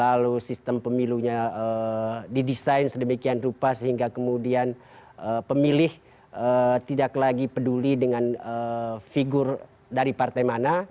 lalu sistem pemilunya didesain sedemikian rupa sehingga kemudian pemilih tidak lagi peduli dengan figur dari partai mana